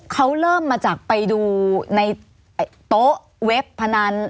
เขาเริ่มมาจากไปดูในโต๊ะเว็บพนัน